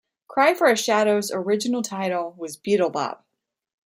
"Cry for a Shadow"'s original title was "Beatle Bop".